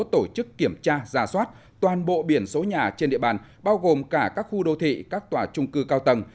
tổ chức kiểm tra ra soát toàn bộ biển số nhà trên địa bàn bao gồm cả các khu đô thị các tòa trung cư cao tầng